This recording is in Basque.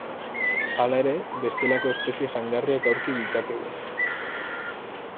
Hala ere, bestelako espezie jangarriak aurki ditzakegu.